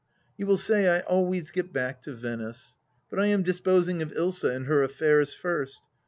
You will say I always get back to Venice. But I am disposiag of Ilsa and her affairs first.